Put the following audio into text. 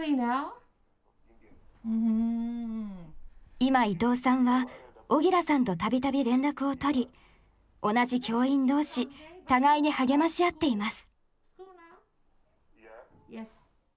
今伊藤さんはオギラさんと度々連絡を取り同じ教員同士互いに励まし合っています。